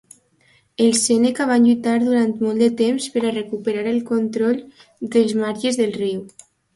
Els seneca van lluitar durant molt de temps per recuperar el control dels marges del riu.